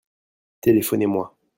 Téléphonez-moi.